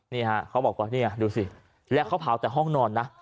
นี่ฮะเขาบอกว่าเนี่ยดูสิแล้วเขาเผาแต่ห้องนอนนะ